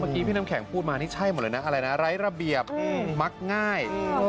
พี่น้ำแข็งพูดมานี่ใช่หมดเลยนะอะไรนะไร้ระเบียบมักง่าย